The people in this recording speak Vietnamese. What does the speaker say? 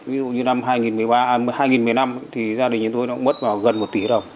ví dụ như năm hai nghìn một mươi năm thì gia đình như tôi nó cũng mất vào gần một tỷ đồng